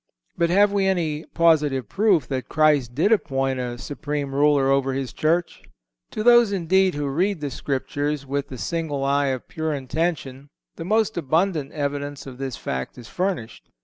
But have we any positive proof that Christ did appoint a supreme Ruler over His Church? To those, indeed, who read the Scriptures with the single eye of pure intention the most abundant evidence of this fact is furnished.